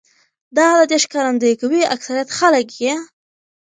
دا دې ښکارنديي کوي اکثريت خلک يې